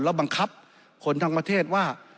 แล้วบังคับคนทั้งประเทศว่า